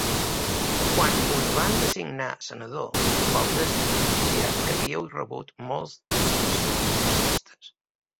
Quan us van designar senador, vau denunciar que havíeu rebut molts insults racistes.